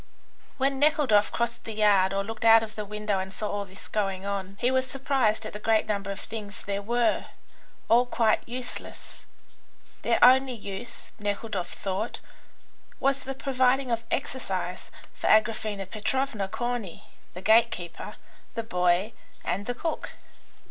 When Nekhludoff crossed the yard or looked out of the window and saw all this going on, he was surprised at the great number of things there were, all quite useless. Their only use, Nekhludoff thought, was the providing of exercise for Agraphena Petrovna, Corney, the gate keeper, the boy, and the cook.